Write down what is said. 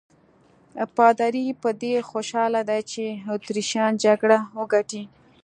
پادري په دې خوشاله دی چې اتریشیان جګړه وګټي.